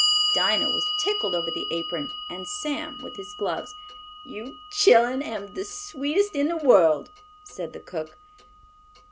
Dinah was tickled over the apron and Sam with his gloves. "Yo' chillun am the sweetest in de world," said the cook.